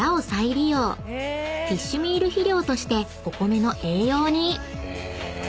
［フィッシュミール肥料としてお米の栄養に］